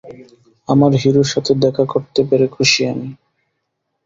আমার হিরোর সাথে দেখা করতে পেরে খুশি আমি।